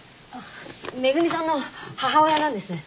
恵さんの母親なんです。